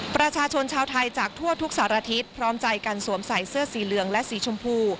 ประชาชนชาวไทยจากทั่วทุกสารทิศพร้อมใจกันสวมใส่เสื้อสีเหลืองและสีชมพู